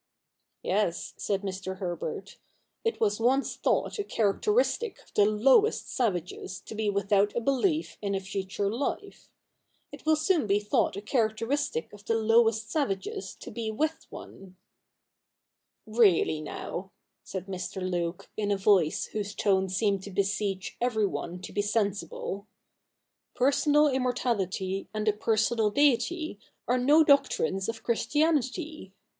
Yes,' said Mr. Herbert, ' it was once thought a characteristic of the lowest savages to be without a belief in a future life. It will soon be thought a characteristic of the lowest savages to be with one.' ' Really now —' said Mr. Luke, in a voice whose tone seemed to beseech everyone to be sensible, ' personal CH. Ill] THE NEW REPUBLIC 43 immortality and a personal Deity are no doctrines of Christianity.